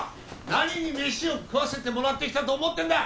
何にメシを食わせてもらってきたと思ってんだ！？